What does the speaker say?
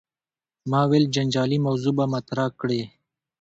ما ویل جنجالي موضوع به مطرح کړې.